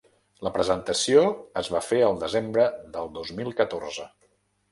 La presentació es va fer el desembre del dos mil catorze.